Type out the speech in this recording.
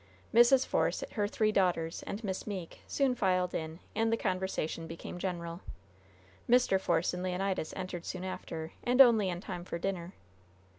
Mrs. Force, her three daughters, and Miss Meeke, soon filed in, and the conversation became general. Mr. Force and Leonidas entered soon after, and only in time for dinner.